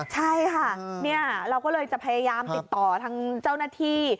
ใช่ค่ะเราก็เลยจะพยายามติดต่อทางเจ้าหน้าที่